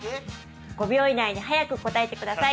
５秒以内に早く答えてください。